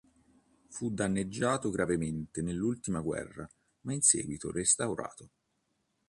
Fu danneggiato gravemente nell'ultima guerra, ma in seguito restaurato.